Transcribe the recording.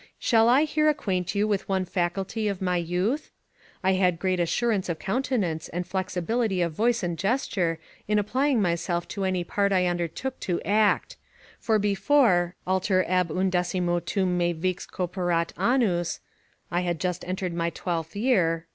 Shall I here acquaint you with one faculty of my youth? I had great assurance of countenance, and flexibility of voice and gesture, in applying myself to any part I undertook to act: for before "Alter ab undecimo tum me vix ceperat annus," ["I had just entered my twelfth year."